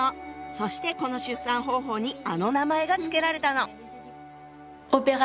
そしてこの出産方法にあの名前が付けられたの。